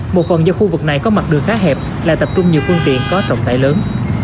một phần do khu vực này có mặt đường khá hẹp là tập trung nhiều phương tiện có trọng tải lớn